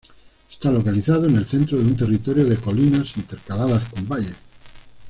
Esta localizado en el centro de un territorio de colinas, intercaladas con valles.